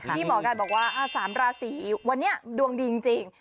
หมอไก่บอกว่า๓ราศีวันนี้ดวงดีจริง